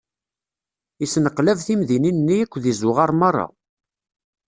Isneqlab timdinin-nni akked izuɣar meṛṛa.